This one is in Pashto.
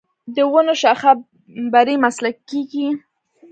د ونو شاخه بري مسلکي کیږي.